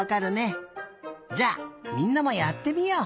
じゃあみんなもやってみよう。